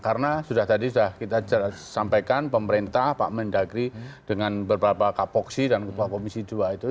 karena sudah tadi kita sampaikan pemerintah pak mendagri dengan beberapa kapoksi dan ketua komisi ii itu